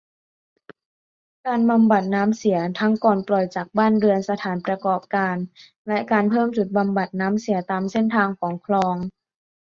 การบำบัดน้ำเสียทั้งก่อนปล่อยจากบ้านเรือน สถานประกอบการ และ การเพิ่มจุดบำบัดน้ำเสียตามเส้นทางของคลอง